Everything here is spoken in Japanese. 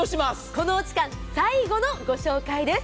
このお時間最後のご紹介です。